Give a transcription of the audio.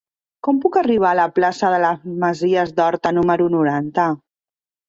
Com puc arribar a la plaça de les Masies d'Horta número noranta?